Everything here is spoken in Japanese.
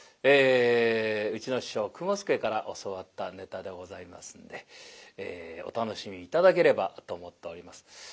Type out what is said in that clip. うちの師匠雲助から教わったネタでございますんでお楽しみ頂ければと思っております。